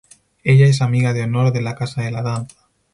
Ella es "Amiga de Honor" de la Casa de la Danza.